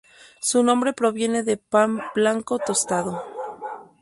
Su nombre proviene de Pan Blanco Tostado.